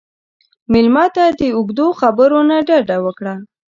مېلمه ته د اوږدو خبرو نه ډډه وکړه.